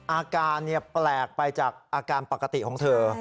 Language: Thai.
อาการแปลกไปจากอาการปกติของเธอ